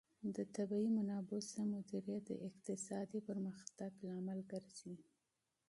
د طبیعي منابعو سم مدیریت د اقتصادي پرمختګ سبب ګرځي.